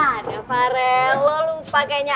ada farel lo lupa kayaknya